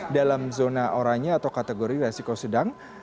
dalam zona oranye atau kategori resiko sedang